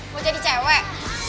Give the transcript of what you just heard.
mau jadi cewek